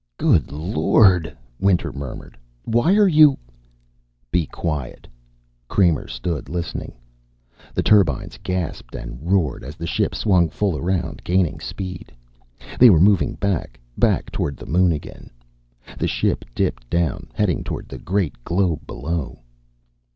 "Good Lord," Winter murmured. "Why are you " "Be quiet." Kramer stood, listening. The turbines gasped and roared as the ship swung full around, gaining speed. They were moving back, back toward the moon again. The ship dipped down, heading toward the great globe below.